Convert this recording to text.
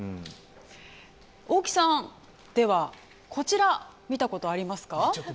大木さんではこちら見たことありますか？